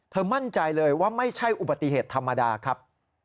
มั่นใจเลยว่าไม่ใช่อุบัติเหตุธรรมดาครับ